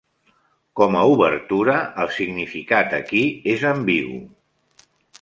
Com a "Obertura", el significat aquí és ambigu.